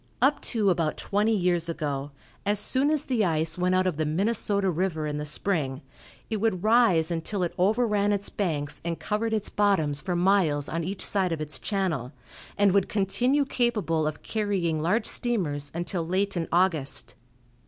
Up to about twenty years ago, as soon as the ice went out of the Minnesota river in the spring, it would rise until it overran its banks and covered its bottoms for miles on each side of its channel, and would continue capable of carrying large steamers until late in August.